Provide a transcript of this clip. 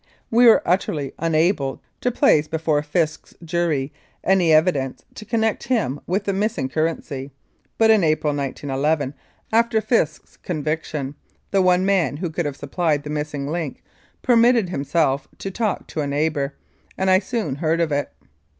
We were utterly unable to place before Fisk's jury any evidence to connect him with the miss ing currency, but in April, 1911, after Fisk's conviction, the one man who could have supplied the missing link permitted himself to talk to a neighbour, and I soon heard of it.